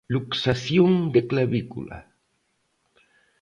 Luxación de clavícula.